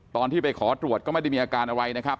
ตอนที่ไปขอตรวจก็ไม่ได้มีอาการอะไรนะครับ